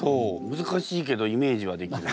むずかしいけどイメージはできる。